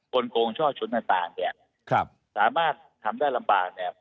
คนโครงช่อชนต่างต่างเนี่ยครับสามารถทำได้ลำบากเนี่ย